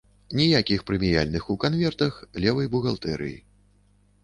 Ніякіх прэміяльных у канвертах, левай бухгалтэрыі.